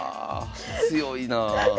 強いな。